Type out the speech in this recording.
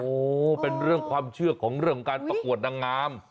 โอ้โหเป็นเรื่องความเชื่อของเรื่องการประกวดนางงาม